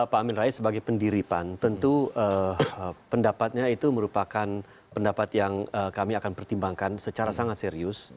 pak amin rais sebagai pendiri pan tentu pendapatnya itu merupakan pendapat yang kami akan pertimbangkan secara sangat serius